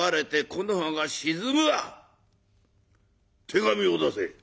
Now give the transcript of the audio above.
手紙を出せ。